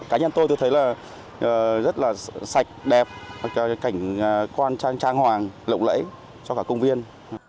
cá nhân tôi tôi thấy là rất là sạch đẹp cảnh quan trang hoàng lộng lẫy cho cả công viên